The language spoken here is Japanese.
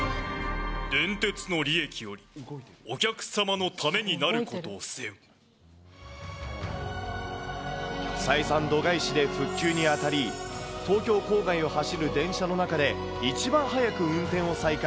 電鉄の利益より、お客様のた採算度外視で復旧に当たり、東京郊外を走る電車の中で、一番早く運転を再開。